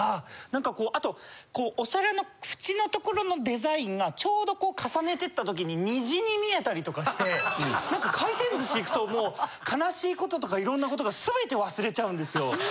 なんかこうあとこうお皿の淵のところのデザインがちょうど重ねてった時に虹に見えたりとかしてなんか回転寿司行くともう悲しいこととかいろんなことが全て忘れちゃうんですよ。